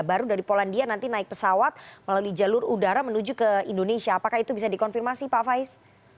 baru dari polandia nanti naik pesawat melalui jalur udara menuju ke indonesia apakah itu bisa dikonfirmasi pak faiz